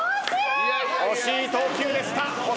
惜しい投球でした。